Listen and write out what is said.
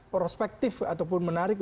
prospektif ataupun menarik